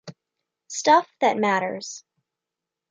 Stuff that matters.